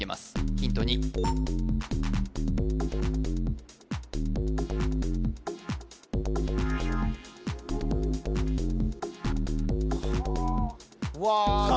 ヒント２はあうわさあ